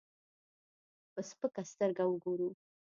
په سپکه سترګه وګورو.